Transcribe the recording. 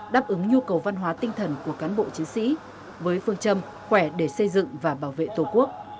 đáp ứng nhu cầu văn hóa tinh thần của cán bộ chiến sĩ với phương châm khỏe để xây dựng và bảo vệ tổ quốc